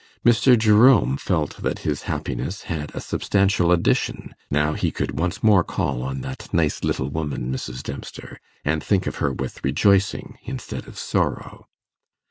Mr. Jerome felt that his happiness had a substantial addition now he could once more call on that 'nice little woman Mrs. Dempster', and think of her with rejoicing instead of sorrow.